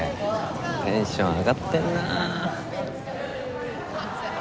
テンション上がってんなあ。